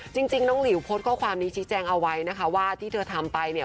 จริงน้องหลิวโพสต์ข้อความนี้ชี้แจงเอาไว้นะคะว่าที่เธอทำไปเนี่ย